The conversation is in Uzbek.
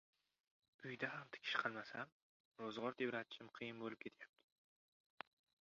Uyda ham tikish qilmasam, ro`zg`or tebratishim qiyin bo`lib ketayapti